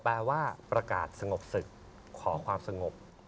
แปลว่าประกาศสงบศึกขอความสงบ